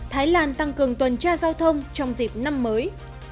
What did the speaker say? thái lan tăng cường tuần tra giao thông trong dịp năm mới